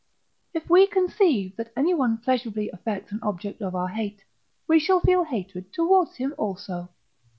If we conceive that anyone pleasurably affects an object of our hate, we shall feel hatred towards him also.